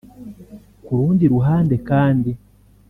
Ku rundi ruhande kandi